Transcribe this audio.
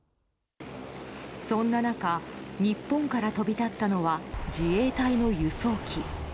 そんな中日本から飛び立ったのは自衛隊の輸送機。